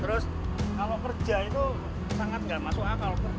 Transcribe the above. terus kalau kerja itu sangat nggak masuk akal